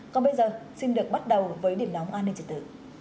còn bây giờ xin được bắt đầu với điểm nóng an ninh trật tự